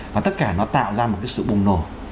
và tất cả nó tạo ra một cái sự bùng nổ